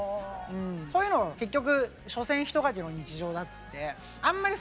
そういうの結局「所詮ひとかけの日常」だっつってあんまり